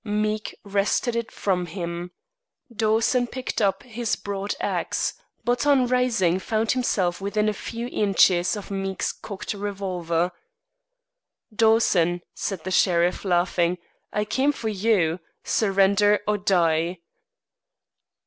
Meek wrested it from him. Dawson picked up his broad axe, but on rising found himself within a few inches of Meek's cocked revolver. "Dawson," said the sheriff, laughing, "I came for you. Surrender or die."